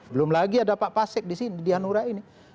belum lagi ada pak pasek di sini di hanura ini